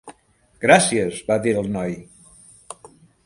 "Gràcies", va dir el noi.